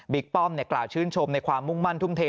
ป้อมกล่าวชื่นชมในความมุ่งมั่นทุ่มเท